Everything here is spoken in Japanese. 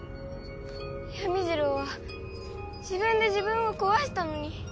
ヤミジロウは自分で自分を壊したのに。